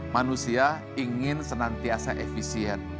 manusia ingin senantiasa efisien